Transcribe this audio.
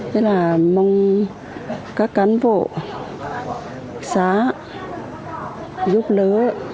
thế là mong các cán bộ xã giúp lỡ